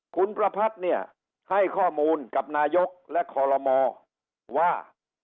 คุณประพัทธ์เนี่ยให้ข้อมูลกับนายกและคอลโลมอว่า